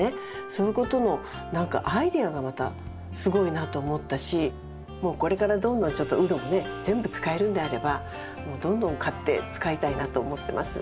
そういうことの何かアイデアがまたすごいなと思ったしもうこれからどんどんちょっとウドもね全部使えるんであればもうどんどん買って使いたいなと思ってます